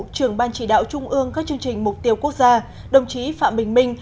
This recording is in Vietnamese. trưởng ban chỉ đạo trung ương các chương trình mục tiêu quốc gia đồng chí phạm bình minh